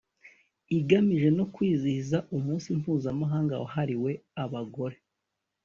igamije no kwizihiza Umunsi Mpuzamahanga wahariwe Abagore